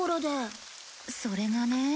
それがね。